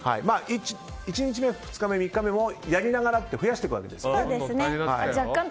１日目、２日目、３日目もやりながら増やしていくんですね。